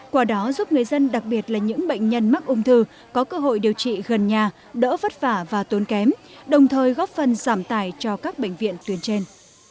qua đó giúp người dân đặc biệt là những bệnh nhân mắc ung thư có cơ hội điều trị gần nhà đỡ vất vả và tốn kém đồng thời góp phần giảm tài cho các bệnh viện tuyến trên